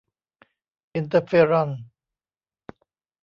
อินเตอร์เฟียรอน